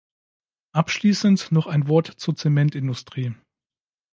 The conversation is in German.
Abschließend noch ein Wort zur Zementindustrie.